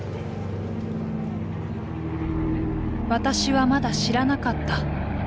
私はまだ知らなかった。